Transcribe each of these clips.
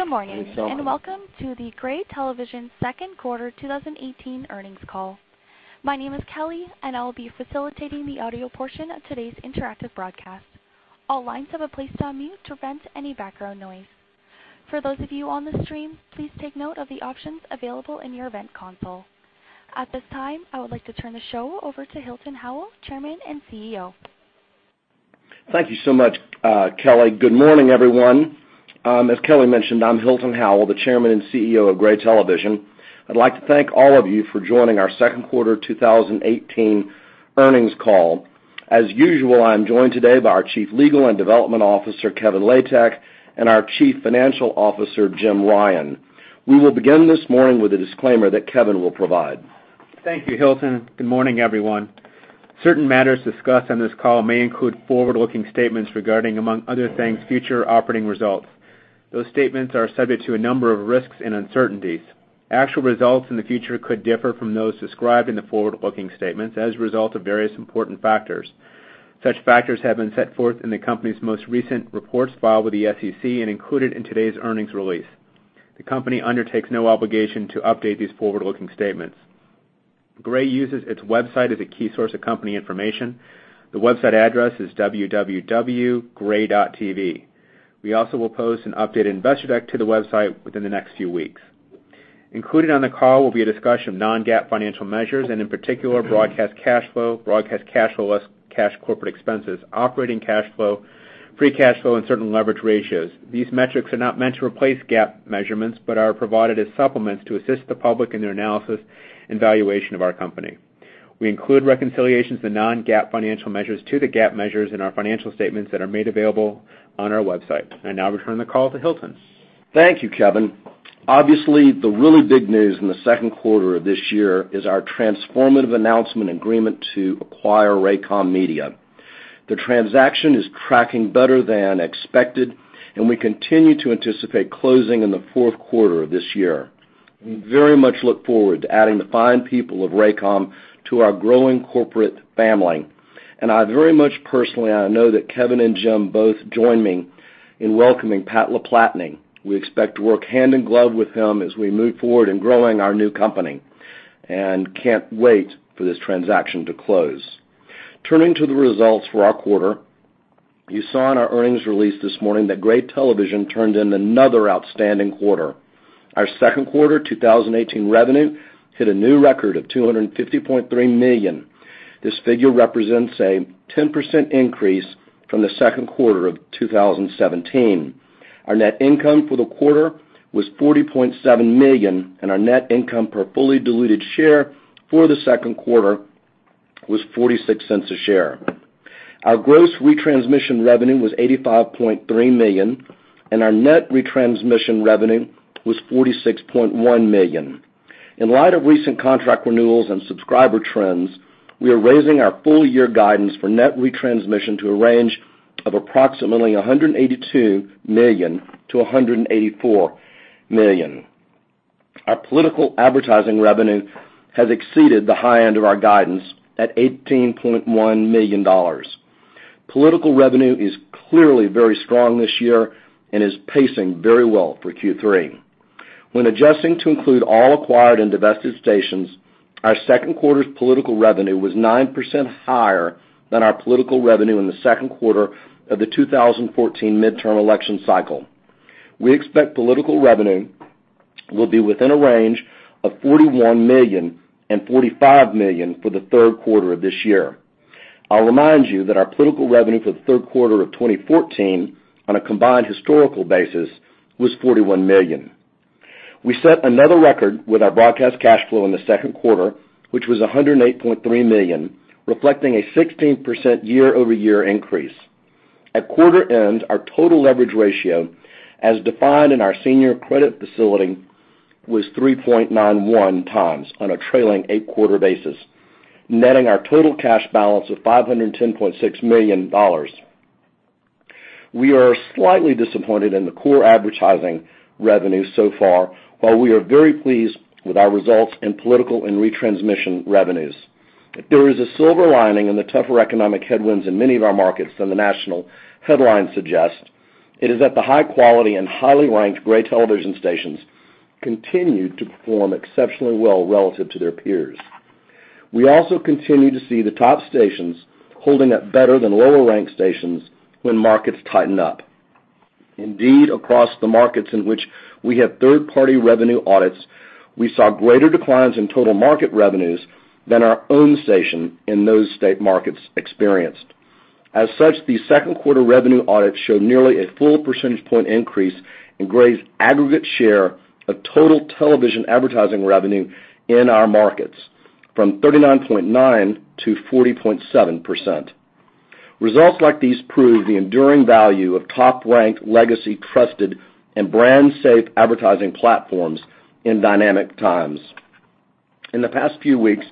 Good morning, and welcome to the Gray Television second quarter 2018 earnings call. My name is Kelly, and I will be facilitating the audio portion of today's interactive broadcast. All lines have been placed on mute to prevent any background noise. For those of you on the stream, please take note of the options available in your event console. At this time, I would like to turn the show over to Hilton Howell, Chairman and CEO. Thank you so much, Kelly. Good morning, everyone. As Kelly mentioned, I'm Hilton Howell, the Chairman and CEO of Gray Television. I'd like to thank all of you for joining our second quarter 2018 earnings call. As usual, I'm joined today by our Chief Legal and Development Officer, Kevin Latek, and our Chief Financial Officer, Jim Ryan. We will begin this morning with a disclaimer that Kevin will provide. Thank you, Hilton. Good morning, everyone. Certain matters discussed on this call may include forward-looking statements regarding, among other things, future operating results. Those statements are subject to a number of risks and uncertainties. Actual results in the future could differ from those described in the forward-looking statements as a result of various important factors. Such factors have been set forth in the company's most recent reports filed with the SEC and included in today's earnings release. The company undertakes no obligation to update these forward-looking statements. Gray uses its website as a key source of company information. The website address is gray.tv. We also will post an updated investor deck to the website within the next few weeks. Included on the call will be a discussion of non-GAAP financial measures, and in particular, broadcast cash flow, broadcast cash flow less cash corporate expenses, operating cash flow, free cash flow and certain leverage ratios. These metrics are not meant to replace GAAP measurements but are provided as supplements to assist the public in their analysis and valuation of our company. We include reconciliations to non-GAAP financial measures to the GAAP measures in our financial statements that are made available on our website. I now return the call to Hilton. Thank you, Kevin. Obviously, the really big news in the second quarter of this year is our transformative announcement and agreement to acquire Raycom Media. The transaction is tracking better than expected, and we continue to anticipate closing in the fourth quarter of this year. We very much look forward to adding the fine people of Raycom to our growing corporate family. I very much personally, and I know that Kevin and Jim both join me in welcoming Pat LaPlatney. We expect to work hand in glove with him as we move forward in growing our new company and can't wait for this transaction to close. Turning to the results for our quarter, you saw in our earnings release this morning that Gray Television turned in another outstanding quarter. Our second quarter 2018 revenue hit a new record of $250.3 million. This figure represents a 10% increase from the second quarter of 2017. Our net income for the quarter was $40.7 million, and our net income per fully diluted share for the second quarter was $0.46 a share. Our gross retransmission revenue was $85.3 million, and our net retransmission revenue was $46.1 million. In light of recent contract renewals and subscriber trends, we are raising our full year guidance for net retransmission to a range of approximately $182 million-$184 million. Our political advertising revenue has exceeded the high end of our guidance at $18.1 million. Political revenue is clearly very strong this year and is pacing very well for Q3. When adjusting to include all acquired and divested stations, our second quarter's political revenue was 9% higher than our political revenue in the second quarter of the 2014 midterm election cycle. We expect political revenue will be within a range of $41 million and $45 million for the third quarter of this year. I'll remind you that our political revenue for the third quarter of 2014 on a combined historical basis was $41 million. We set another record with our broadcast cash flow in the second quarter, which was $108.3 million, reflecting a 16% year-over-year increase. At quarter end, our total leverage ratio, as defined in our senior credit facility, was 3.91 times on a trailing eight quarter basis, netting our total cash balance of $510.6 million. We are slightly disappointed in the core advertising revenue so far, while we are very pleased with our results in political and retransmission revenues. If there is a silver lining in the tougher economic headwinds in many of our markets than the national headlines suggest, it is that the high quality and highly ranked Gray Television stations continued to perform exceptionally well relative to their peers. We also continue to see the top stations holding up better than lower ranked stations when markets tighten up. Indeed, across the markets in which we have third party revenue audits, we saw greater declines in total market revenues than our own station in those state markets experienced. As such, the second quarter revenue audits showed nearly a full percentage point increase in Gray's aggregate share of total television advertising revenue in our markets from 39.9% to 40.7%. Results like these prove the enduring value of top ranked, legacy, trusted, and brand safe advertising platforms in dynamic times. In the past few weeks,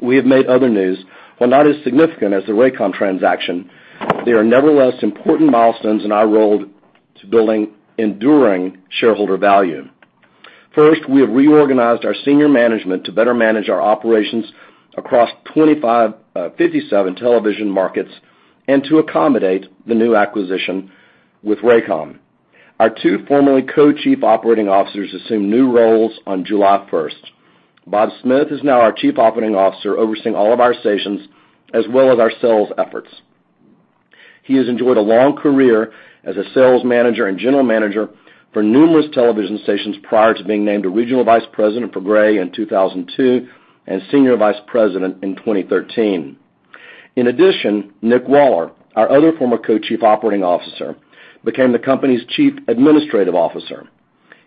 we have made other news. While not as significant as the Raycom transaction, they are nevertheless important milestones in our role to building enduring shareholder value. First, we have reorganized our senior management to better manage our operations across 57 television markets and to accommodate the new acquisition with Raycom. Our two formerly Co-Chief Operating Officers assumed new roles on July 1st. Bob Smith is now our Chief Operating Officer, overseeing all of our stations as well as our sales efforts. He has enjoyed a long career as a sales manager and General Manager for numerous television stations prior to being named a Regional Vice President for Gray in 2002 and Senior Vice President in 2013. In addition, Nick Waller, our other former Co-Chief Operating Officer, became the company's Chief Administrative Officer.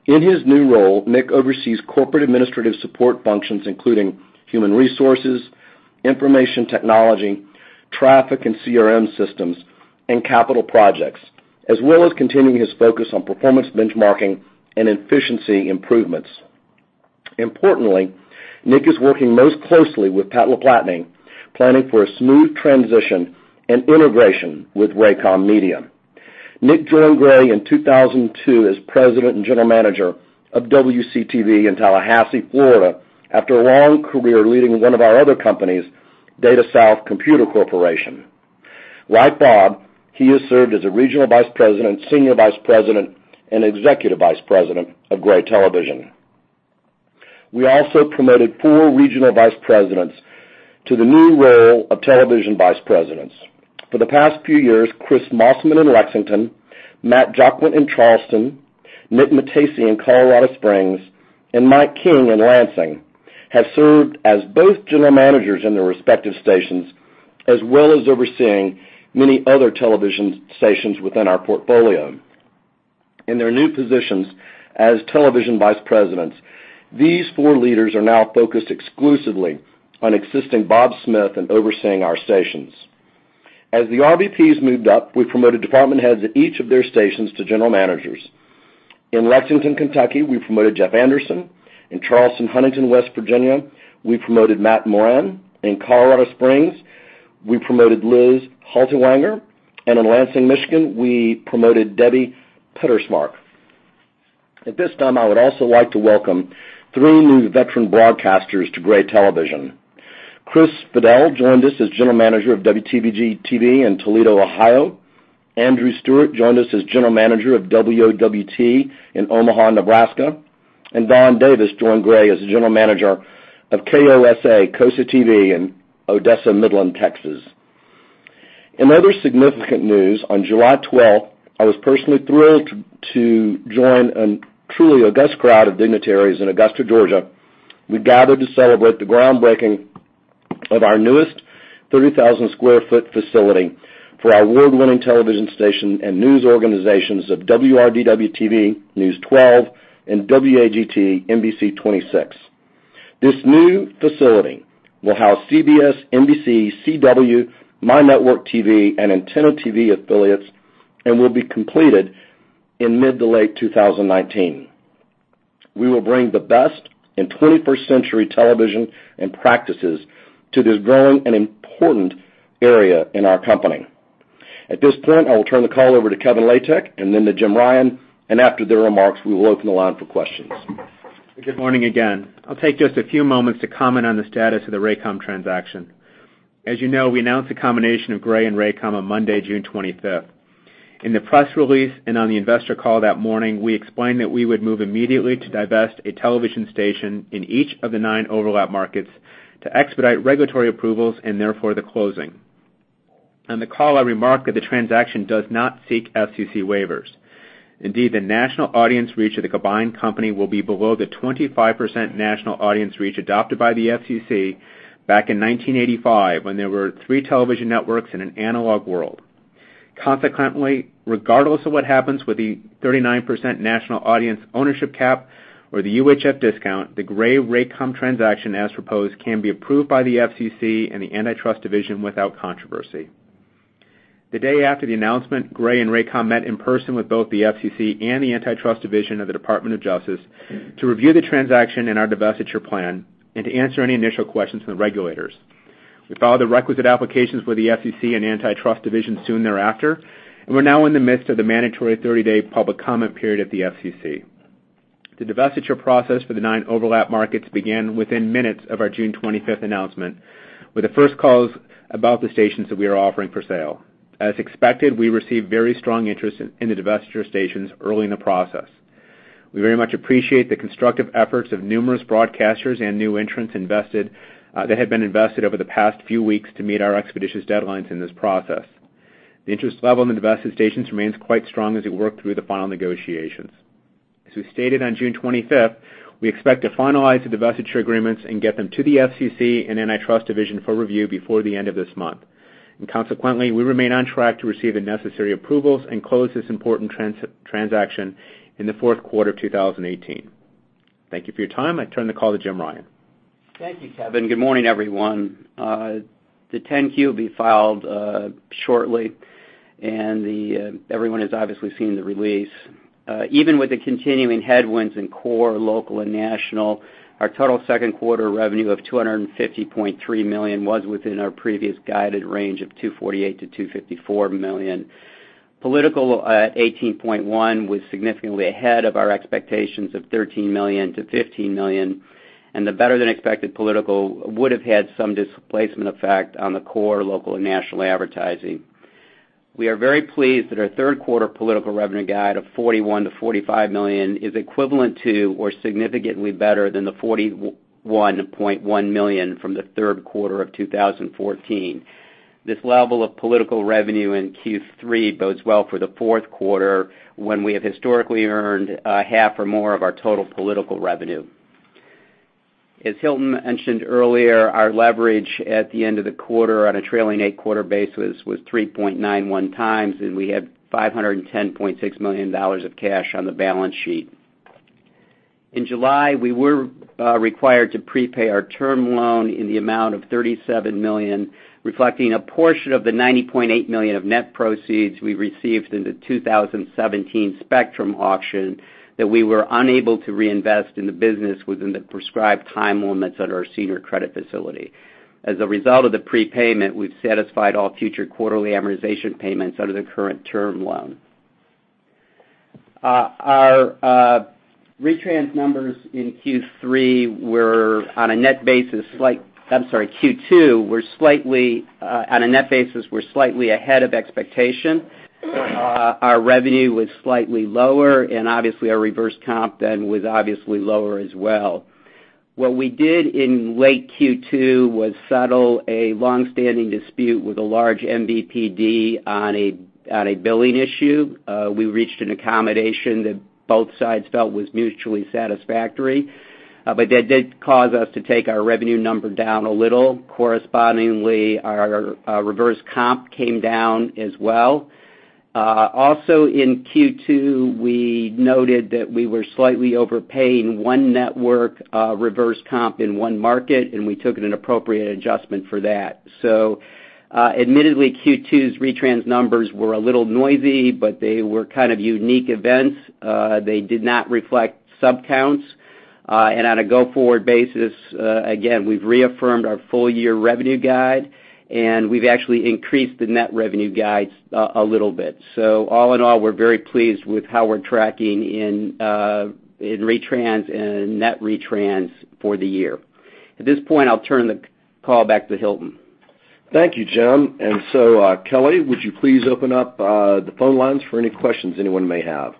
In his new role, Nick oversees corporate administrative support functions, including human resources, information technology, traffic and CRM systems, and capital projects, as well as continuing his focus on performance benchmarking and efficiency improvements. Importantly, Nick is working most closely with Pat LaPlatney, planning for a smooth transition and integration with Raycom Media. Nick joined Gray in 2002 as President and General Manager of WCTV in Tallahassee, Florida, after a long career leading one of our other companies, Data South Computer Corporation. Like Bob, he has served as a Regional Vice President, Senior Vice President, and Executive Vice President of Gray Television. We also promoted four Regional Vice Presidents to the new role of Television Vice Presidents. For the past few years, Chris Mossman in Lexington, Matt Jaquint in Charleston, Nick Matesi in Colorado Springs, and Mike King in Lansing have served as both general managers in their respective stations, as well as overseeing many other television stations within our portfolio. In their new positions as Television Vice Presidents, these four leaders are now focused exclusively on assisting Bob Smith in overseeing our stations. As the RVPs moved up, we promoted department heads at each of their stations to general managers. In Lexington, Kentucky, we promoted Jeff Anderson. In Charleston, Huntington, West Virginia, we promoted Matt Moran. In Colorado Springs, we promoted Liz Haltiwanger. In Lansing, Michigan, we promoted Debbie Petersmark. At this time, I would also like to welcome three new veteran broadcasters to Gray Television. Chris Fedele joined us as General Manager of WTVG-TV in Toledo, Ohio. Andrew Stewart joined us as General Manager of WOWT in Omaha, Nebraska. Don Davis joined Gray as the General Manager of KOSA-TV in Odessa, Midland, Texas. In other significant news, on July 12th, I was personally thrilled to join a truly august crowd of dignitaries in Augusta, Georgia, who gathered to celebrate the groundbreaking of our newest 30,000 sq ft facility for our award-winning television station and news organizations of WRDW-TV News 12 and WAGT NBC 26. This new facility will house CBS, NBC, The CW, MyNetworkTV, and Antenna TV affiliates and will be completed in mid to late 2019. We will bring the best in 21st century television and practices to this growing and important area in our company. At this point, I will turn the call over to Kevin Latek and then to Jim Ryan, and after their remarks, we will open the line for questions. Good morning again. I'll take just a few moments to comment on the status of the Raycom transaction. As you know, we announced the combination of Gray and Raycom on Monday, June 25th. In the press release and on the investor call that morning, we explained that we would move immediately to divest a television station in each of the nine overlap markets to expedite regulatory approvals and therefore the closing. On the call, I remarked that the transaction does not seek FCC waivers. Indeed, the national audience reach of the combined company will be below the 25% national audience reach adopted by the FCC back in 1985 when there were three television networks in an analog world. Consequently, regardless of what happens with the 39% national audience ownership cap or the UHF discount, the Gray Raycom transaction as proposed can be approved by the FCC and the Antitrust Division without controversy. The day after the announcement, Gray and Raycom met in person with both the FCC and the Antitrust Division of the Department of Justice to review the transaction and our divestiture plan and to answer any initial questions from the regulators. We filed the requisite applications with the FCC and Antitrust Division soon thereafter, and we're now in the midst of the mandatory 30-day public comment period at the FCC. The divestiture process for the nine overlap markets began within minutes of our June 25th announcement, with the first calls about the stations that we are offering for sale. As expected, we received very strong interest in the divestiture stations early in the process. We very much appreciate the constructive efforts of numerous broadcasters and new entrants that have been invested over the past few weeks to meet our expeditious deadlines in this process. The interest level in the divested stations remains quite strong as we work through the final negotiations. As we stated on June 25th, we expect to finalize the divestiture agreements and get them to the FCC and Antitrust Division for review before the end of this month. Consequently, we remain on track to receive the necessary approvals and close this important transaction in the fourth quarter of 2018. Thank you for your time. I turn the call to Jim Ryan. Thank you, Kevin. Good morning, everyone. The 10-Q will be filed shortly, and everyone has obviously seen the release. Even with the continuing headwinds in core, local, and national, our total second quarter revenue of $250.3 million was within our previous guided range of $248 million-$254 million. Political at $18.1 million was significantly ahead of our expectations of $13 million-$15 million, and the better-than-expected political would have had some displacement effect on the core local and national advertising. We are very pleased that our third quarter political revenue guide of $41 million-$45 million is equivalent to or significantly better than the $41.1 million from the third quarter of 2014. This level of political revenue in Q3 bodes well for the fourth quarter, when we have historically earned half or more of our total political revenue. As Hilton mentioned earlier, our leverage at the end of the quarter on a trailing eight quarter basis was 3.91 times, and we had $510.6 million of cash on the balance sheet. In July, we were required to prepay our term loan in the amount of $37 million, reflecting a portion of the $90.8 million of net proceeds we received in the 2017 spectrum auction that we were unable to reinvest in the business within the prescribed time limits under our senior credit facility. As a result of the prepayment, we've satisfied all future quarterly amortization payments under the current term loan. Our retrans numbers in Q3 were on a net basis, I'm sorry, Q2, on a net basis, were slightly ahead of expectation. Our revenue was slightly lower, and obviously our reverse comp then was obviously lower as well. What we did in late Q2 was settle a long-standing dispute with a large MVPD on a billing issue. We reached an accommodation that both sides felt was mutually satisfactory, but that did cause us to take our revenue number down a little. Correspondingly, our reverse comp came down as well. Also, in Q2, we noted that we were slightly overpaying one network reverse comp in one market, and we took an appropriate adjustment for that. Admittedly, Q2's retrans numbers were a little noisy, but they were kind of unique events. They did not reflect sub counts. On a go-forward basis, again, we've reaffirmed our full year revenue guide, and we've actually increased the net revenue guides a little bit. All in all, we're very pleased with how we're tracking in retrans and net retrans for the year. At this point, I'll turn the call back to Hilton. Thank you, Jim. Kelly, would you please open up the phone lines for any questions anyone may have?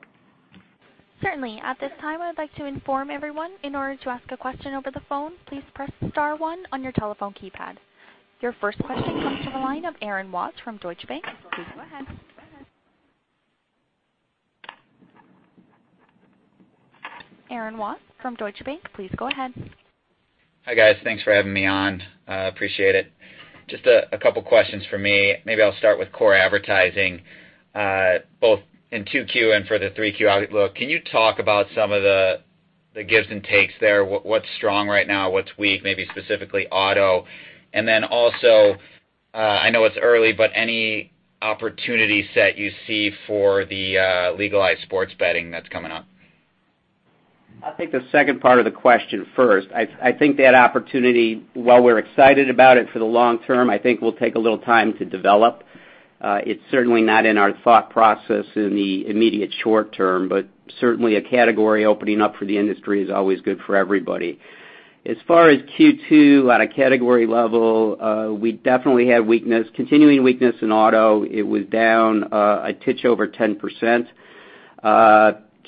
Certainly. At this time, I would like to inform everyone, in order to ask a question over the phone, please press *1 on your telephone keypad. Your first question comes from the line of Aaron Watts from Deutsche Bank. Please go ahead. Aaron Watts from Deutsche Bank, please go ahead. Hi, guys. Thanks for having me on. Appreciate it. Just a couple of questions from me. Maybe I'll start with core advertising, both in 2Q and for the 3Q outlook. Can you talk about some of the gives and takes there? What's strong right now? What's weak? Maybe specifically auto. Also, I know it's early, but any opportunity set you see for the legalized sports betting that's coming up? I'll take the second part of the question first. I think that opportunity, while we're excited about it for the long term, I think will take a little time to develop. It's certainly not in our thought process in the immediate short term, but certainly a category opening up for the industry is always good for everybody. As far as Q2, at a category level, we definitely had continuing weakness in auto. It was down a titch over 10%.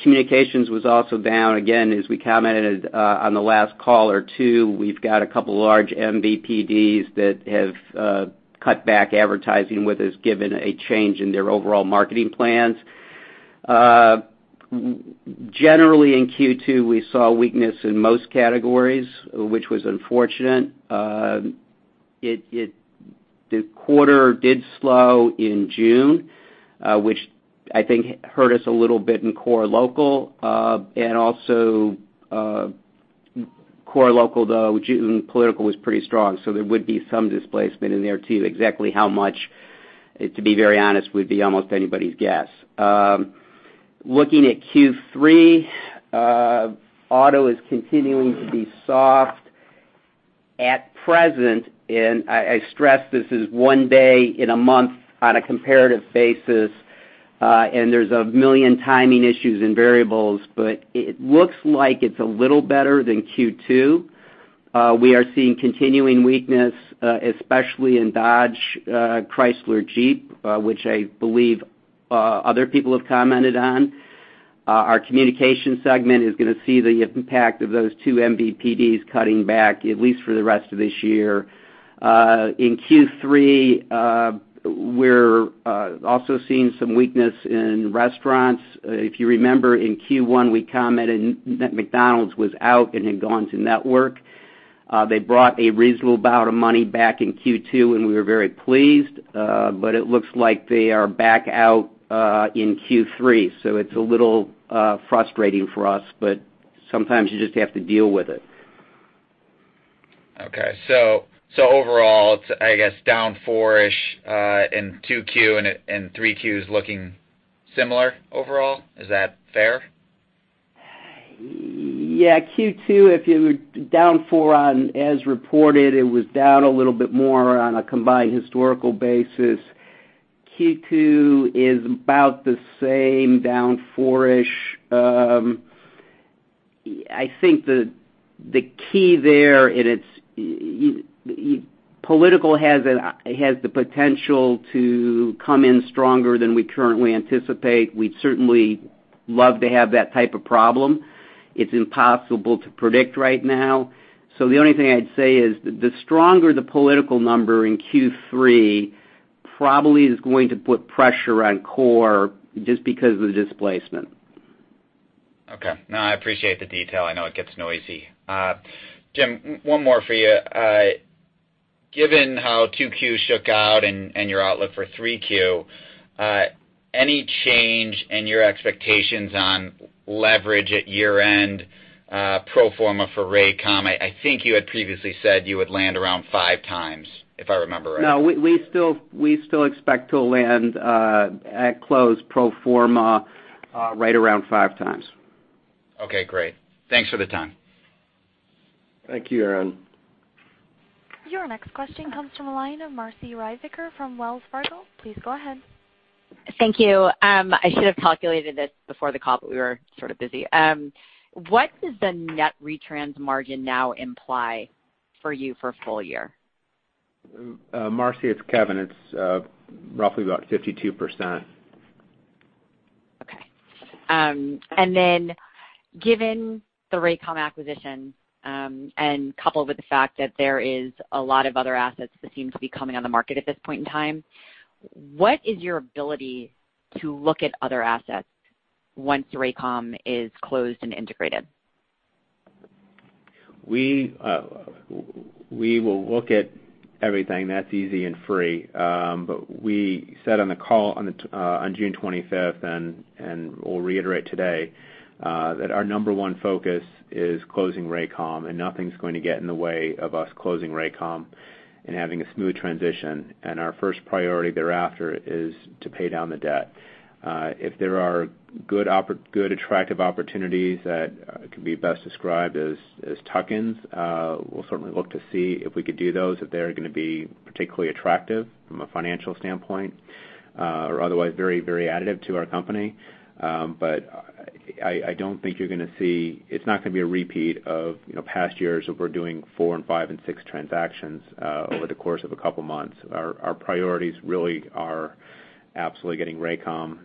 Communications was also down. Again, as we commented on the last call or two, we've got a couple large MVPDs that have cut back advertising with us, given a change in their overall marketing plans. Generally, in Q2, we saw weakness in most categories, which was unfortunate. The quarter did slow in June, which I think hurt us a little bit in core local, and also core local, though, political was pretty strong. There would be some displacement in there, too. Exactly how much, to be very honest, would be almost anybody's guess. Looking at Q3, auto is continuing to be soft at present, and I stress this is one day in a month on a comparative basis, and there's a million timing issues and variables, but it looks like it's a little better than Q2. We are seeing continuing weakness, especially in Dodge, Chrysler, Jeep, which I believe other people have commented on. Our communication segment is going to see the impact of those two MVPDs cutting back, at least for the rest of this year. In Q3, we're also seeing some weakness in restaurants. If you remember, in Q1, we commented that McDonald's was out and had gone to network. They brought a reasonable amount of money back in Q2, and we were very pleased. It looks like they are back out in Q3. It's a little frustrating for us, but sometimes you just have to deal with it. Okay. Overall, it's, I guess, down four-ish in 2Q, and 3Q is looking similar overall. Is that fair? Yeah, Q2, if you were down four on as reported, it was down a little bit more on a combined historical basis. Q2 is about the same, down four-ish. I think the key there, political has the potential to come in stronger than we currently anticipate. We'd certainly love to have that type of problem. It's impossible to predict right now. The only thing I'd say is, the stronger the political number in Q3 probably is going to put pressure on core just because of the displacement. Okay. No, I appreciate the detail. I know it gets noisy. Jim, one more for you. Given how 2Q shook out and your outlook for 3Q, any change in your expectations on leverage at year-end pro forma for Raycom? I think you had previously said you would land around five times, if I remember right. No, we still expect to land at close pro forma, right around five times. Okay, great. Thanks for the time. Thank you, Aaron. Your next question comes from the line of Marci Ryvicker from Wells Fargo. Please go ahead. Thank you. I should have calculated this before the call, but we were sort of busy. What does the net retrans margin now imply for you for full year? Marci, it's Kevin. It's roughly about 52%. Okay. Given the Raycom acquisition, coupled with the fact that there is a lot of other assets that seem to be coming on the market at this point in time, what is your ability to look at other assets once Raycom is closed and integrated? We will look at everything, that's easy and free. We said on the call on June 25th, and we'll reiterate today, that our number 1 focus is closing Raycom, and nothing's going to get in the way of us closing Raycom and having a smooth transition. Our first priority thereafter is to pay down the debt. If there are good, attractive opportunities that could be best described as tuck-ins, we'll certainly look to see if we could do those, if they're going to be particularly attractive from a financial standpoint, or otherwise very additive to our company. I don't think you're going to see It's not going to be a repeat of past years where we're doing four and five and six transactions over the course of a couple months. Our priorities really are absolutely getting Raycom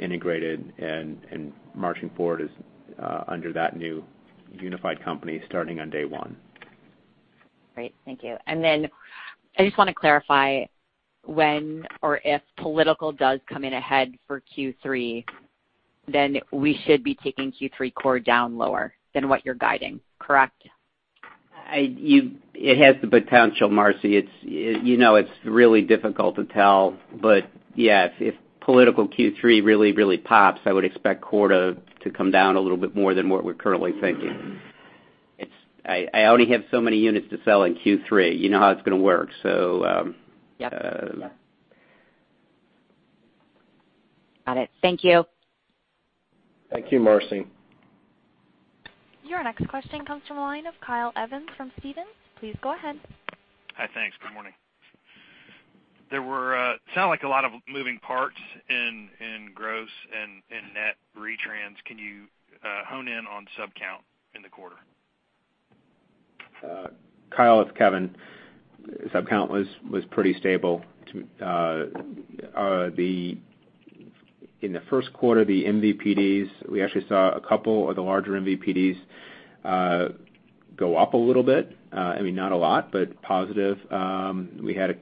integrated and marching forward under that new unified company starting on day 1. Great. Thank you. I just want to clarify when or if political does come in ahead for Q3, we should be taking Q3 core down lower than what you're guiding, correct? It has the potential, Marci. It's really difficult to tell. Yeah, if political Q3 really pops, I would expect core to come down a little bit more than what we're currently thinking. I only have so many units to sell in Q3. You know how it's going to work. Yep. Got it. Thank you. Thank you, Marci. Your next question comes from the line of Kyle Evans from Stephens. Please go ahead. Hi, thanks. Good morning. Sounded like a lot of moving parts in gross and in net retrans. Can you hone in on sub count in the quarter? Kyle, it's Kevin. Sub count was pretty stable. In the first quarter, the MVPDs, we actually saw a couple of the larger MVPDs go up a little bit. I mean, not a lot, but positive. We had a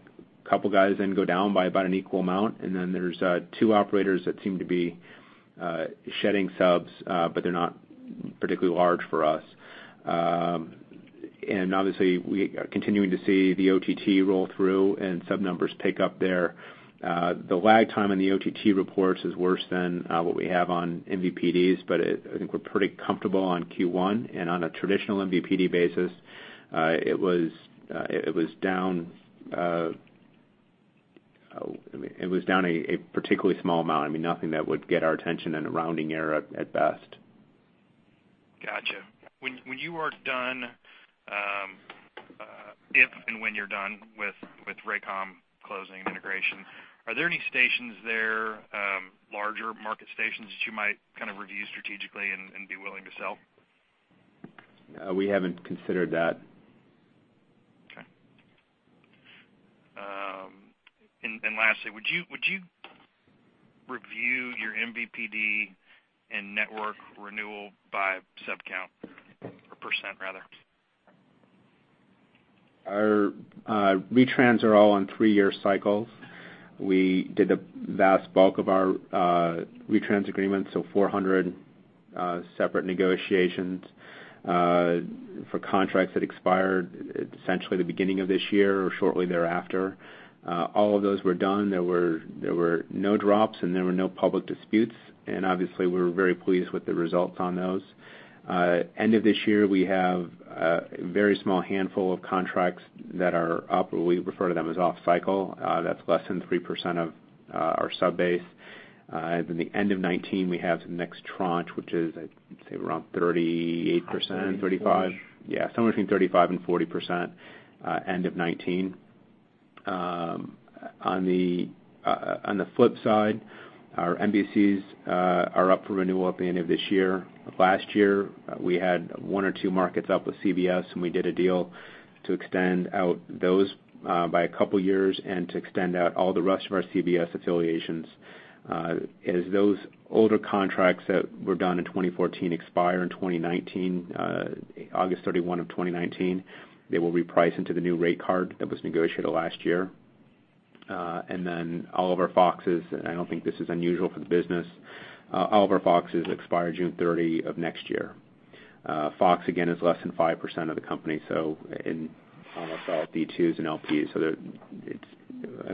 couple guys then go down by about an equal amount, and then there's two operators that seem to be shedding subs, but they're not particularly large for us. Obviously, we are continuing to see the OTT roll through and sub numbers pick up there. The lag time on the OTT reports is worse than what we have on MVPDs, but I think we're pretty comfortable on Q1. On a traditional MVPD basis, it was down a particularly small amount. Nothing that would get our attention in a rounding error at best. Got you. When you are done, if and when you're done with Raycom closing and integration, are there any stations there, larger market stations that you might review strategically and be willing to sell? We haven't considered that. Okay. Lastly, would you review your MVPD and network renewal by sub count or %, rather? Our retrans are all on three-year cycles. We did the vast bulk of our retrans agreements, so 400 separate negotiations, for contracts that expired essentially the beginning of this year or shortly thereafter. All of those were done. There were no drops, and there were no public disputes. Obviously, we were very pleased with the results on those. End of this year, we have a very small handful of contracts that are up. We refer to them as off cycle. That's less than 3% of our sub base. At the end of 2019, we have the next tranche, which is, I'd say around 38%. 35. 35%. Yeah, somewhere between 35% and 40% end of 2019. On the flip side, our NBCs are up for renewal at the end of this year. Last year, we had one or two markets up with CBS, and we did a deal to extend out those by a couple of years and to extend out all the rest of our CBS affiliations. As those older contracts that were done in 2014 expire in August 31, 2019, they will reprice into the new rate card that was negotiated last year. Then all of our Foxes, and I don't think this is unusual for the business, all of our Foxes expire June 30 of next year. Fox, again, is less than 5% of the company, so in almost all D2s and LPs.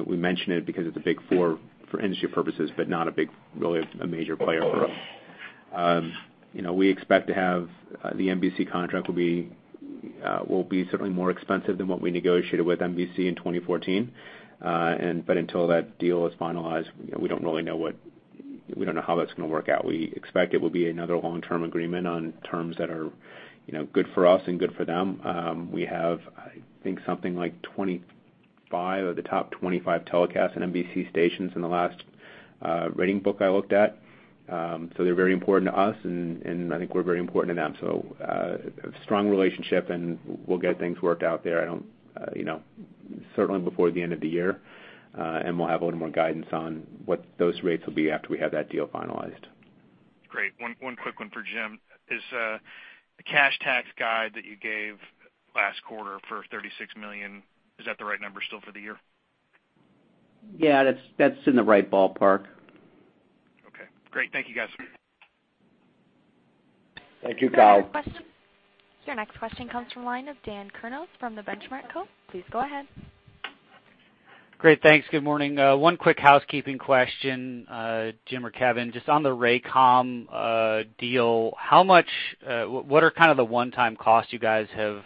We mention it because it's a big four for industry purposes, but not a big, really, a major player for us. We expect to have the NBC contract will be certainly more expensive than what we negotiated with NBC in 2014. Until that deal is finalized, we don't know how that's going to work out. We expect it will be another long-term agreement on terms that are good for us and good for them. We have, I think, something like 25 of the top 25 telecasts in NBC stations in the last rating book I looked at. They're very important to us, and I think we're very important to them. A strong relationship, and we'll get things worked out there, certainly before the end of the year. We'll have a little more guidance on what those rates will be after we have that deal finalized. Great. One quick one for Jim. Is the cash tax guide that you gave last quarter for $36 million, is that the right number still for the year? Yeah, that's in the right ballpark. Okay, great. Thank you, guys. Thank you, Kyle. Your next question comes from the line of Dan Kurnos from The Benchmark Co. Please go ahead. Great. Thanks. Good morning. One quick housekeeping question Jim or Kevin, just on the Raycom deal, what are the one-time costs you guys have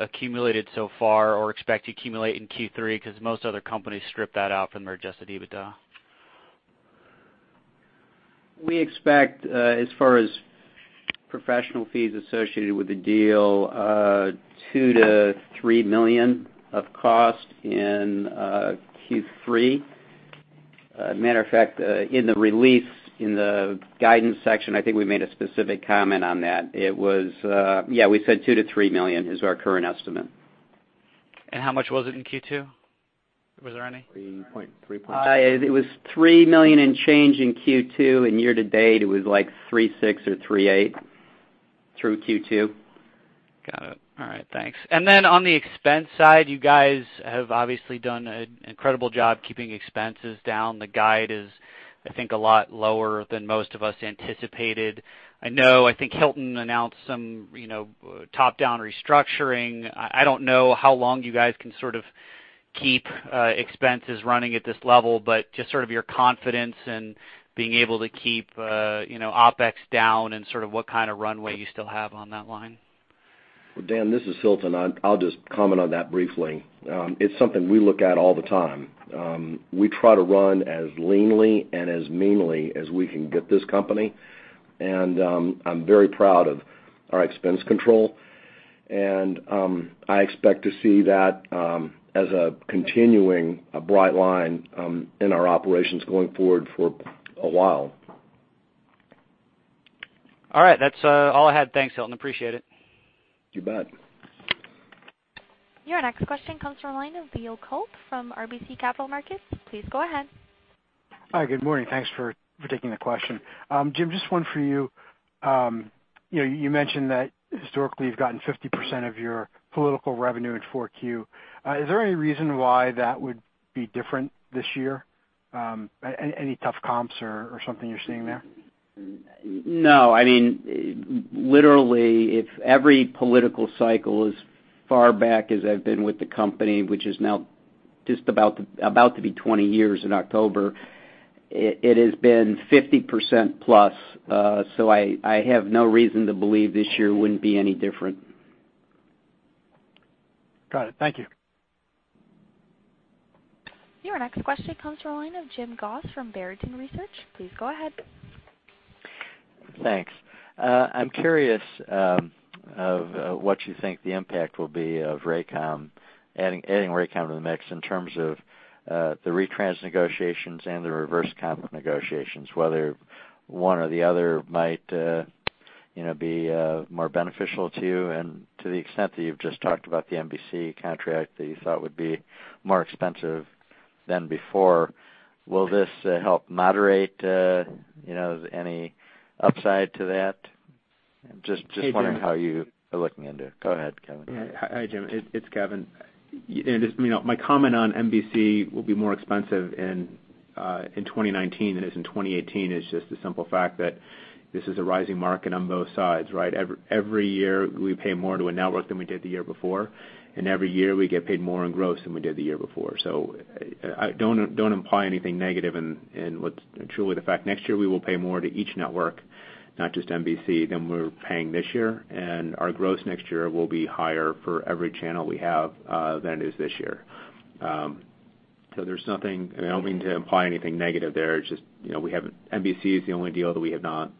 accumulated so far or expect to accumulate in Q3? Most other companies strip that out from adjusted EBITDA. We expect, as far as professional fees associated with the deal, $2 million-$3 million of cost in Q3. Matter of fact, in the release, in the guidance section, I think we made a specific comment on that. We said $2 million-$3 million is our current estimate. How much was it in Q2? Was there any? It was $3 million and change in Q2. Year to date, it was like $3.6 million or $3.8 million through Q2. Got it. All right, thanks. On the expense side, you guys have obviously done an incredible job keeping expenses down. The guide is, I think, a lot lower than most of us anticipated. I know, I think Hilton announced some top-down restructuring. I don't know how long you guys can sort of keep expenses running at this level, but just sort of your confidence in being able to keep OpEx down and sort of what kind of runway you still have on that line. Well, Dan, this is Hilton. I'll just comment on that briefly. It's something we look at all the time. We try to run as leanly and as meanly as we can get this company. I'm very proud of our expense control, and I expect to see that as a continuing bright line in our operations going forward for a while. All right. That's all I had. Thanks, Hilton. Appreciate it. You bet. Your next question comes from the line of Leo Kulp from RBC Capital Markets. Please go ahead. Hi, good morning. Thanks for taking the question. Jim, just one for you. You mentioned that historically you've gotten 50% of your political revenue in 4Q. Is there any reason why that would be different this year? Any tough comps or something you're seeing there? No. Literally, if every political cycle as far back as I've been with the company, which is now just about to be 20 years in October, it has been 50% plus. I have no reason to believe this year wouldn't be any different. Got it. Thank you. Your next question comes from the line of Jim Goss from Barrington Research. Please go ahead. Thanks. I'm curious of what you think the impact will be of adding Raycom to the mix in terms of the retrans negotiations and the reverse comp negotiations, whether one or the other might be more beneficial to you, and to the extent that you've just talked about the NBC contract that you thought would be more expensive than before. Will this help moderate any upside to that? Just wondering how you are looking into it. Go ahead, Kevin. Hi, Jim. It's Kevin. My comment on NBC will be more expensive in 2019 than it is in 2018 is just the simple fact that this is a rising market on both sides, right? Every year, we pay more to a network than we did the year before, and every year we get paid more in gross than we did the year before. Don't imply anything negative in what's truly the fact. Next year, we will pay more to each network, not just NBC, than we're paying this year, and our gross next year will be higher for every channel we have than it is this year. There's nothing, and I don't mean to imply anything negative there. It's just NBC is the only deal that we've not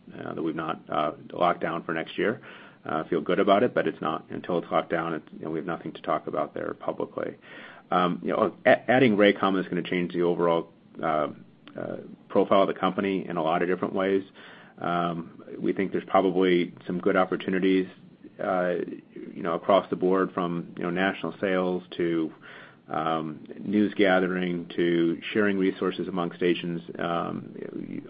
locked down for next year. Feel good about it, until it's locked down, we have nothing to talk about there publicly. Adding Raycom is going to change the overall profile of the company in a lot of different ways. We think there's probably some good opportunities across the board from national sales to news gathering to sharing resources amongst stations.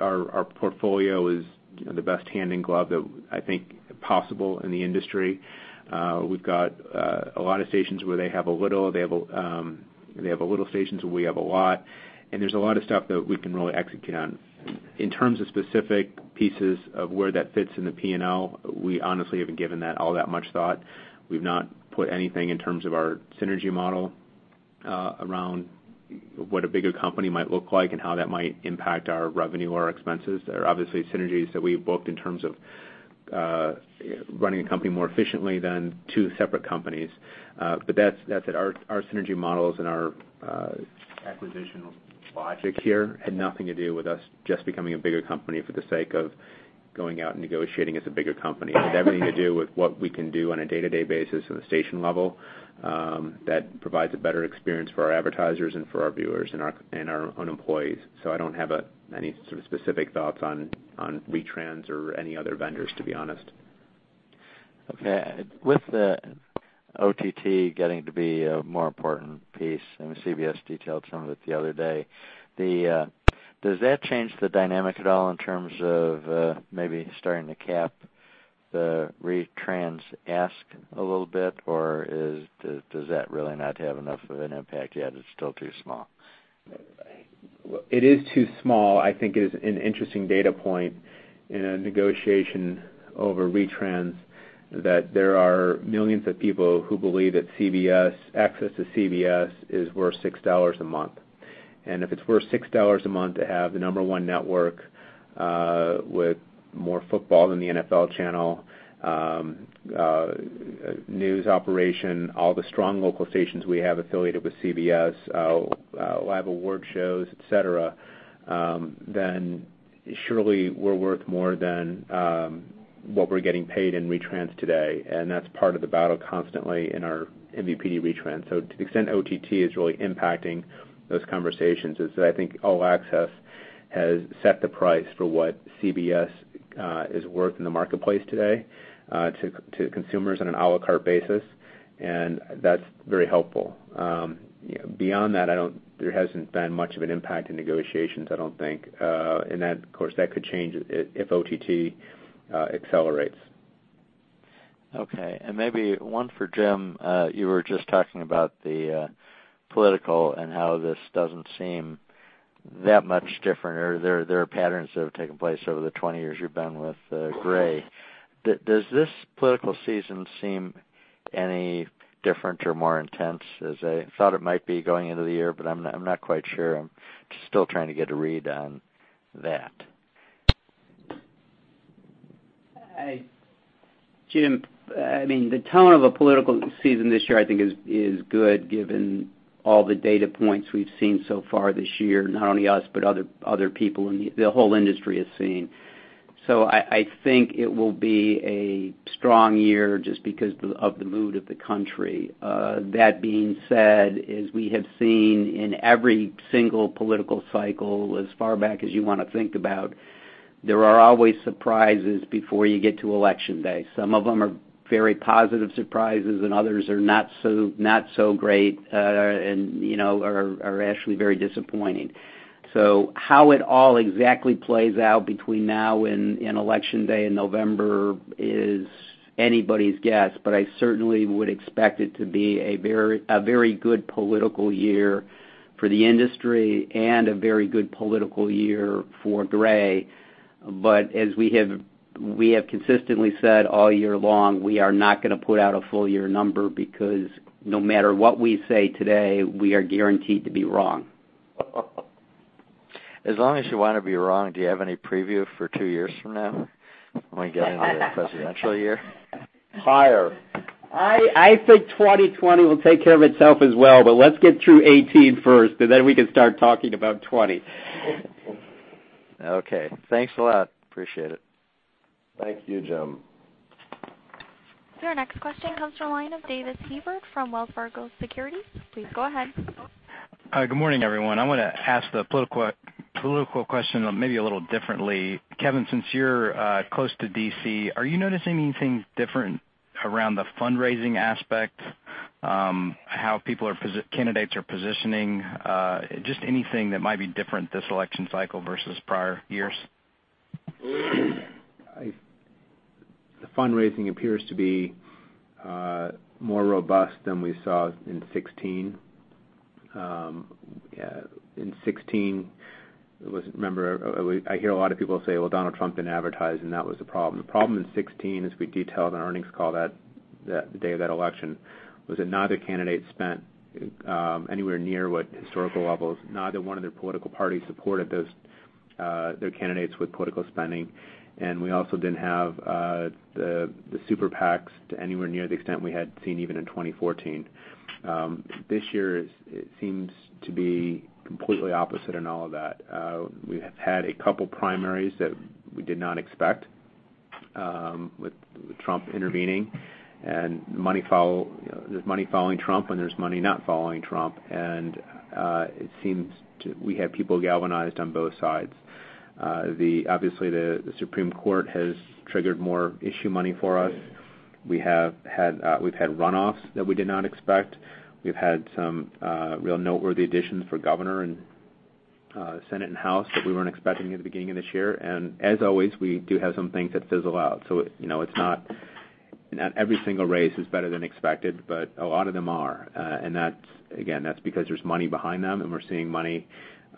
Our portfolio is the best hand in glove that I think possible in the industry. We've got a lot of stations where they have a little, they have little stations where we have a lot, and there's a lot of stuff that we can really execute on. In terms of specific pieces of where that fits in the P&L, we honestly haven't given that all that much thought. We've not put anything in terms of our synergy model around what a bigger company might look like and how that might impact our revenue or expenses. There are obviously synergies that we've booked in terms of running a company more efficiently than two separate companies. That's it. Our synergy models and our acquisition logic here had nothing to do with us just becoming a bigger company for the sake of going out and negotiating as a bigger company. It has everything to do with what we can do on a day-to-day basis at a station level that provides a better experience for our advertisers and for our viewers and our own employees. I don't have any sort of specific thoughts on retrans or any other vendors, to be honest. Okay. With the OTT getting to be a more important piece, and CBS detailed some of it the other day, does that change the dynamic at all in terms of maybe starting to cap the retrans ask a little bit, or does that really not have enough of an impact yet, it's still too small? It is too small. I think it is an interesting data point in a negotiation over retrans that there are millions of people who believe that access to CBS is worth $6 a month. If it's worth $6 a month to have the number one network with more football than the NFL channel, news operation, all the strong local stations we have affiliated with CBS, live award shows, et cetera, then surely we're worth more than what we're getting paid in retrans today, and that's part of the battle constantly in our MVPD retrans. To the extent OTT is really impacting those conversations is that I think All Access has set the price for what CBS is worth in the marketplace today to consumers on an à la carte basis, and that's very helpful. Beyond that, there hasn't been much of an impact in negotiations, I don't think. That, of course, that could change if OTT accelerates. Maybe one for Jim. You were just talking about the political and how this doesn't seem that much different, or there are patterns that have taken place over the 20 years you've been with Gray. Does this political season seem any different or more intense as I thought it might be going into the year? I'm not quite sure. I'm just still trying to get a read on that. Jim, the tone of a political season this year I think is good given all the data points we've seen so far this year, not only us, but other people in the whole industry has seen. I think it will be a strong year just because of the mood of the country. That being said, as we have seen in every single political cycle as far back as you want to think about, there are always surprises before you get to election day. Some of them are very positive surprises, and others are not so great, and are actually very disappointing. How it all exactly plays out between now and election day in November is anybody's guess, but I certainly would expect it to be a very good political year for the industry and a very good political year for Gray. As we have consistently said all year long, we are not going to put out a full year number because no matter what we say today, we are guaranteed to be wrong. As long as you want to be wrong, do you have any preview for two years from now when we get into the presidential year? Higher. I think 2020 will take care of itself as well, let's get through 2018 first, we can start talking about 2020. Okay. Thanks a lot. Appreciate it. Thank you, Jim. Our next question comes from the line of Davis Hebert from Wells Fargo Securities. Please go ahead. Good morning, everyone. I want to ask the political question maybe a little differently. Kevin, since you're close to D.C., are you noticing anything different around the fundraising aspect? How candidates are positioning? Just anything that might be different this election cycle versus prior years. The fundraising appears to be more robust than we saw in 2016. In 2016, I hear a lot of people say, well, Donald Trump didn't advertise, and that was the problem. The problem in 2016, as we detailed on earnings call the day of that election, was that neither candidate spent anywhere near what historical levels, neither one of their political parties supported their candidates with political spending. We also didn't have the super PACs to anywhere near the extent we had seen even in 2014. This year it seems to be completely opposite in all of that. We have had a couple primaries that we did not expect with Trump intervening. There's money following Trump, and there's money not following Trump. It seems we have people galvanized on both sides. Obviously, the Supreme Court has triggered more issue money for us. We've had runoffs that we did not expect. We've had some real noteworthy additions for governor and Senate and House that we weren't expecting at the beginning of this year. As always, we do have some things that fizzle out. It's not every single race is better than expected, but a lot of them are. Again, that's because there's money behind them, and we're seeing money,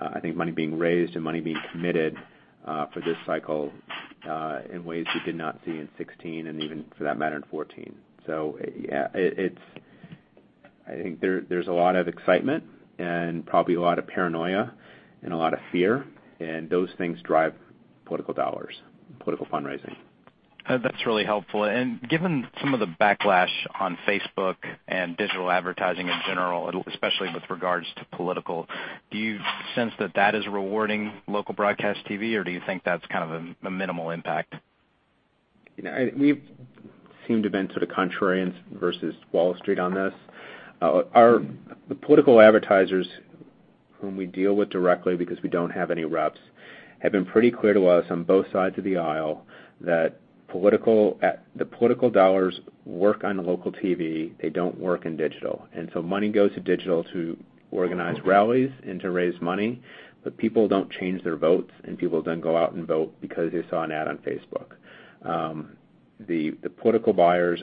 I think, money being raised and money being committed for this cycle in ways we did not see in 2016 and even for that matter, in 2014. Yeah, I think there's a lot of excitement and probably a lot of paranoia and a lot of fear. Those things drive political dollars, political fundraising. That's really helpful. Given some of the backlash on Facebook and digital advertising in general, especially with regards to political, do you sense that that is rewarding local broadcast TV, or do you think that's kind of a minimal impact? We seem to have been sort of contrarian versus Wall Street on this. The political advertisers whom we deal with directly because we don't have any reps, have been pretty clear to us on both sides of the aisle that the political dollars work on local TV, they don't work in digital. Money goes to digital to organize rallies and to raise money, but people don't change their votes and people don't go out and vote because they saw an ad on Facebook. The political buyers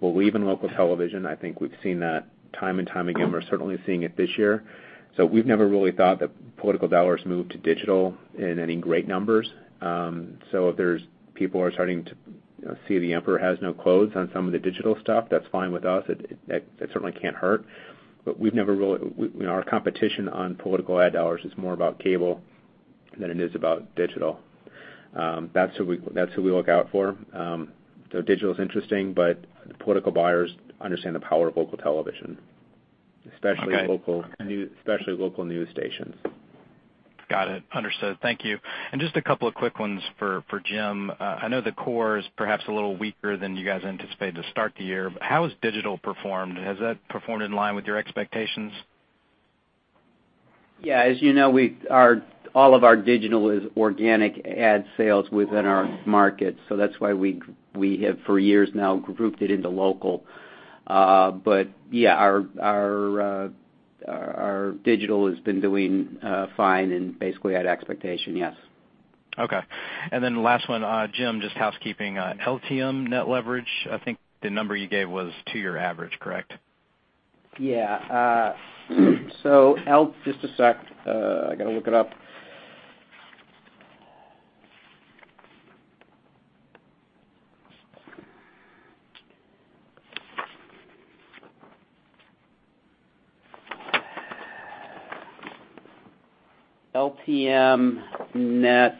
believe in local television. I think we've seen that time and time again. We're certainly seeing it this year. We've never really thought that political dollars move to digital in any great numbers. If people are starting to see the emperor has no clothes on some of the digital stuff, that's fine with us. That certainly can't hurt. Our competition on political ad dollars is more about cable than it is about digital. That's who we look out for. Digital is interesting, but political buyers understand the power of local television- Okay especially local news stations. Got it. Understood. Thank you. Just a couple of quick ones for Jim. I know the core is perhaps a little weaker than you guys anticipated to start the year, but how has digital performed? Has that performed in line with your expectations? Yeah. As you know, all of our digital is organic ad sales within our market. That's why we have for years now grouped it into local. Yeah, our digital has been doing fine and basically at expectation, yes. Okay. Last one Jim, just housekeeping. LTM net leverage, I think the number you gave was two-year average, correct? Yeah. Just a sec, I got to look it up. LTM net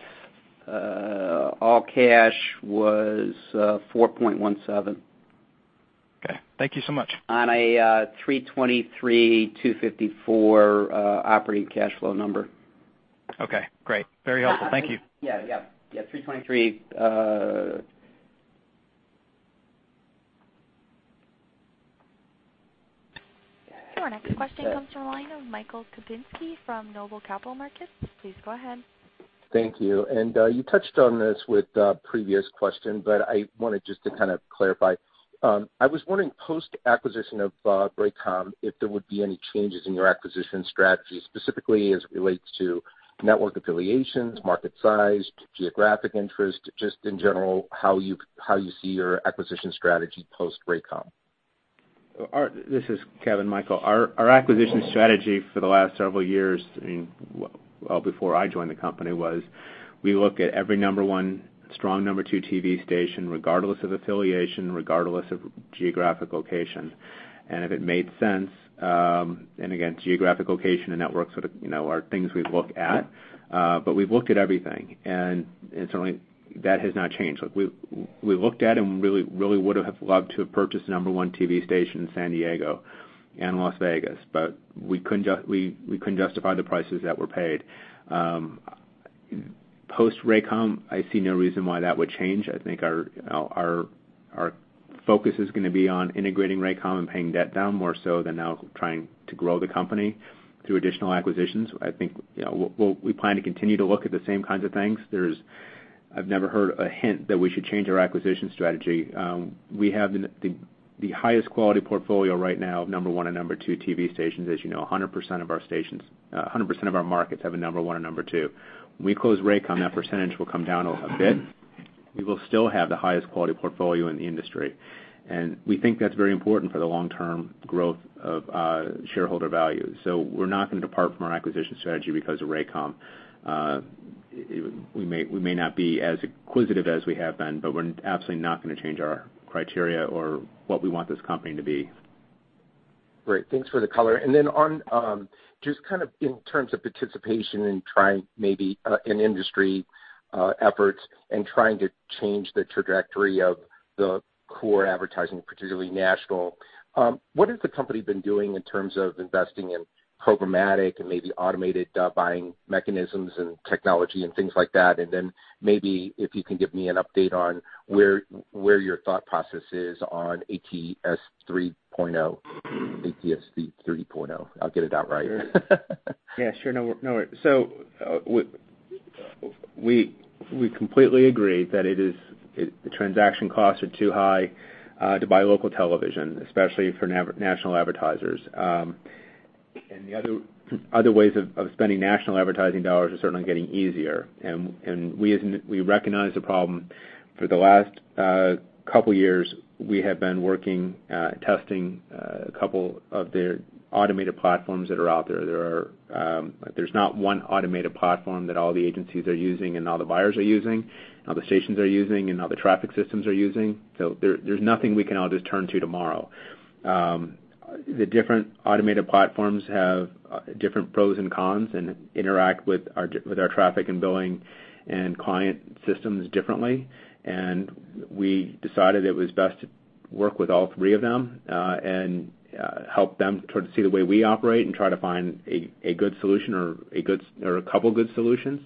all cash was 4.17. Okay. Thank you so much. On a $323.25 million operating cash flow number. Okay, great. Very helpful. Thank you. Yeah. $323. Your next question comes from the line of Michael Kupinski from Noble Capital Markets. Please go ahead. Thank you. You touched on this with a previous question, but I wanted just to kind of clarify. I was wondering, post-acquisition of Raycom, if there would be any changes in your acquisition strategy, specifically as it relates to network affiliations, market size, geographic interest, just in general, how you see your acquisition strategy post-Raycom? This is Kevin, Michael. Our acquisition strategy for the last several years, well before I joined the company, was we look at every number 1, strong number 2 TV station, regardless of affiliation, regardless of geographic location. If it made sense, and again, geographic location and networks are things we look at. We look at everything, and certainly that has not changed. We looked at and really would have loved to have purchased the number 1 TV station in San Diego and Las Vegas, but we couldn't justify the prices that were paid. Post-Raycom, I see no reason why that would change. I think our focus is going to be on integrating Raycom and paying debt down more so than now trying to grow the company through additional acquisitions. We plan to continue to look at the same kinds of things. I've never heard a hint that we should change our acquisition strategy. We have the highest quality portfolio right now of number 1 and number 2 TV stations, as you know, 100% of our markets have a number 1 or number 2. When we close Raycom, that percentage will come down a bit. We will still have the highest quality portfolio in the industry. We think that's very important for the long-term growth of shareholder value. We're not going to depart from our acquisition strategy because of Raycom. We may not be as acquisitive as we have been, but we're absolutely not going to change our criteria or what we want this company to be Great. Thanks for the color. Then just in terms of participation and trying maybe in industry efforts and trying to change the trajectory of the core advertising, particularly national, what has the company been doing in terms of investing in programmatic and maybe automated ad buying mechanisms and technology and things like that? Then maybe if you can give me an update on where your thought process is on ATSC 3.0. I'll get it out right. Yeah, sure. No worry. We completely agree that the transaction costs are too high, to buy local television, especially for national advertisers. The other ways of spending national advertising dollars are certainly getting easier. We recognize the problem. For the last couple years, we have been working, testing a couple of their automated platforms that are out there. There's not one automated platform that all the agencies are using and all the buyers are using, all the stations are using, and all the traffic systems are using. There's nothing we can all just turn to tomorrow. The different automated platforms have different pros and cons and interact with our traffic and billing and client systems differently. We decided it was best to work with all three of them, and help them sort of see the way we operate and try to find a good solution or a couple good solutions.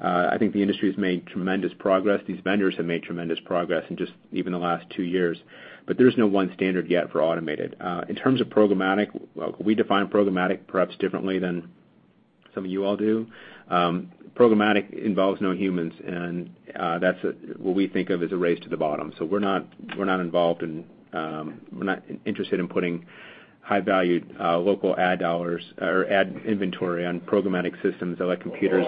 I think the industry's made tremendous progress. These vendors have made tremendous progress in just even the last two years, but there's no one standard yet for automated. In terms of programmatic, we define programmatic perhaps differently than some of you all do. Programmatic involves no humans, and that's what we think of as a race to the bottom. We're not interested in putting high-valued local ad dollars or ad inventory on programmatic systems that let computers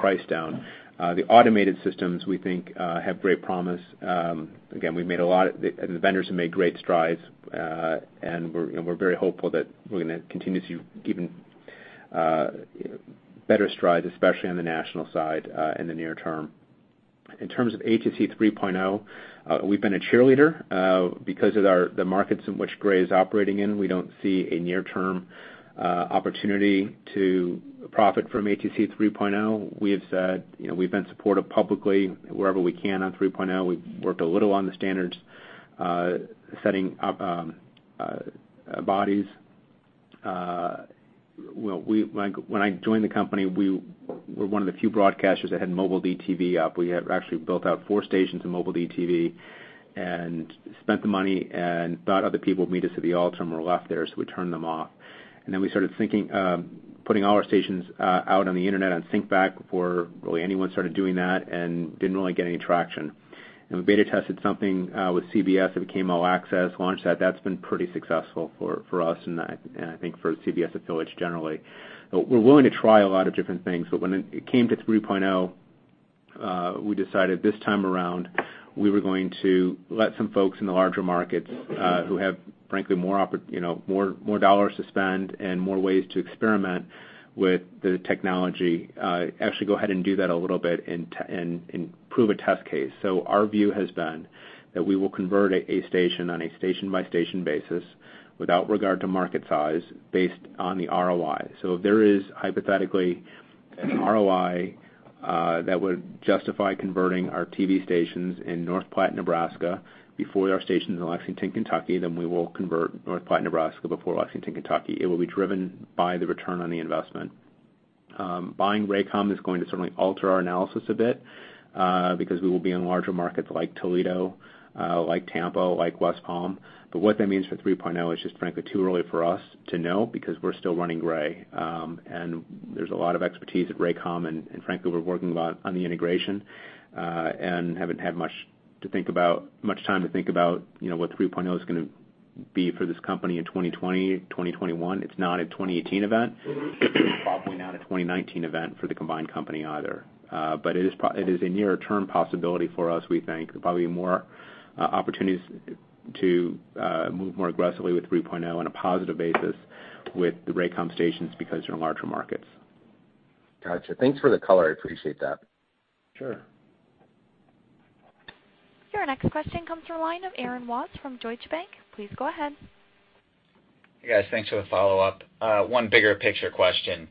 price down. The automated systems we think have great promise. Again, the vendors have made great strides. We're very hopeful that we're gonna continue to see even better strides, especially on the national side, in the near term. In terms of ATSC 3.0, we've been a cheerleader. Because of the markets in which Gray is operating in, we don't see a near-term opportunity to profit from ATSC 3.0. We've been supportive publicly wherever we can on 3.0. We've worked a little on the standards setting up bodies. When I joined the company, we were one of the few broadcasters that had mobile DTV up. We had actually built out four stations in mobile DTV and spent the money and thought other people would meet us at the altar and were left there, so we turned them off. Then we started putting all our stations out on the internet on Syncbak before really anyone started doing that and didn't really get any traction. We beta tested something, with CBS, it became All Access, launched that. That's been pretty successful for us and I think for CBS affiliates generally. We're willing to try a lot of different things, but when it came to 3.0, we decided this time around we were going to let some folks in the larger markets who have frankly, more dollars to spend and more ways to experiment with the technology, actually go ahead and do that a little bit and prove a test case. Our view has been that we will convert a station on a station-by-station basis without regard to market size based on the ROI. If there is hypothetically an ROI that would justify converting our TV stations in North Platte, Nebraska before our stations in Lexington, Kentucky, we will convert North Platte, Nebraska before Lexington, Kentucky. It will be driven by the return on the investment. Buying Raycom is going to certainly alter our analysis a bit, because we will be in larger markets like Toledo, like Tampa, like West Palm. What that means for 3.0 is just frankly too early for us to know because we're still running Gray. There's a lot of expertise at Raycom and frankly, we're working a lot on the integration, and haven't had much time to think about what 3.0's going to be for this company in 2020, 2021. It's not a 2018 event. It's probably not a 2019 event for the combined company either. It is a nearer term possibility for us, we think, there'll probably be more opportunities to move more aggressively with 3.0 on a positive basis with the Raycom stations because they're larger markets. Got you. Thanks for the color. I appreciate that. Sure. Your next question comes from the line of Aaron Watts from Deutsche Bank. Please go ahead. Hey, guys. Thanks for the follow-up. One bigger picture question.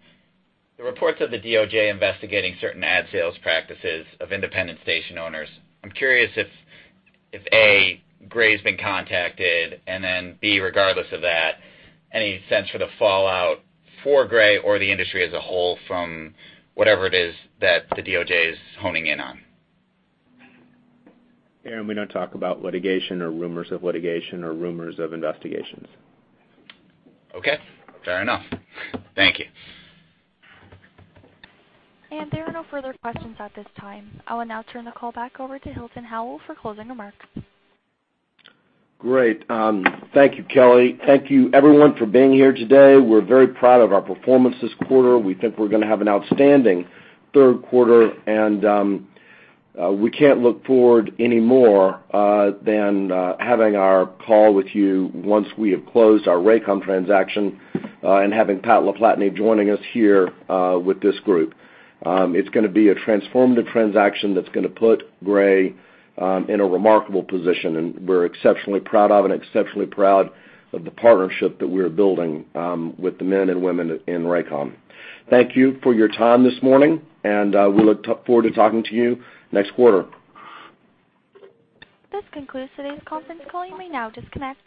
The reports of the DOJ investigating certain ad sales practices of independent station owners, I'm curious if, A, Gray's been contacted, and then, B, regardless of that, any sense for the fallout for Gray or the industry as a whole from whatever it is that the DOJ is honing in on? Aaron, we don't talk about litigation or rumors of litigation or rumors of investigations. Okay, fair enough. Thank you. There are no further questions at this time. I will now turn the call back over to Hilton Howell for closing remarks. Great. Thank you, Kelly. Thank you everyone for being here today. We're very proud of our performance this quarter. We think we're gonna have an outstanding third quarter, and we can't look forward any more than having our call with you once we have closed our Raycom transaction, and having Pat LaPlatney joining us here with this group. It's gonna be a transformative transaction that's gonna put Gray in a remarkable position, and we're exceptionally proud of the partnership that we're building with the men and women in Raycom. Thank you for your time this morning, and we look forward to talking to you next quarter. This concludes today's conference call. You may now disconnect.